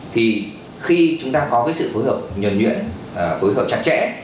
thì khi chúng ta có cái sự phối hợp nhuẩn nhuyễn phối hợp chặt chẽ